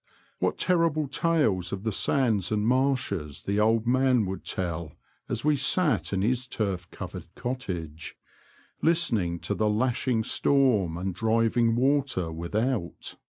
What terrible tales of the sands and marshes the old man would tell as we sat in his turf covered cottage, listening to the lashing storm and driving water without.